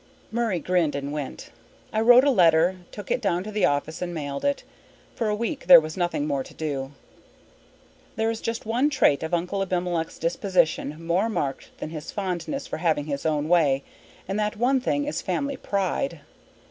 Murray grinned and went. I wrote a letter, took it down to the office, and mailed it. For a week there was nothing more to do. There is just one trait of Uncle Abimelech's disposition more marked than his fondness for having his own way and that one thing is family pride.